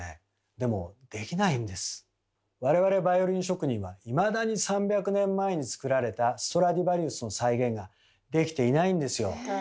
でも我々バイオリン職人はいまだに３００年前に作られたストラディヴァリウスの再現ができていないんですよ。